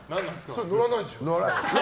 それは乗らないでしょ。